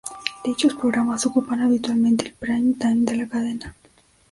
Dichos programas ocupan habitualmente el prime time de la cadena.